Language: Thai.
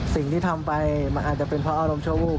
สิ่งที่ทำไปมันอาจจะเป็นเพราะอารมณ์ชั่ววูบ